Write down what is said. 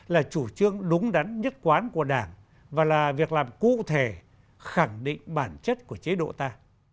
là chủ trương đúng đắn nhất quán của đảng và là việc làm cụ thể khẳng định bản chất của chế độ ta